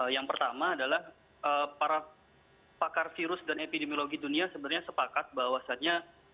yang pertama adalah para pakar virus dan epidemiologi dunia sebenarnya sepakat bahwasannya